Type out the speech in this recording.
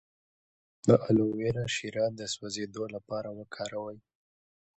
د الوویرا شیره د سوځیدو لپاره وکاروئ